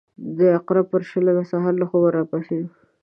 د عقرب پر شلمه سهار له خوبه راپاڅېدو.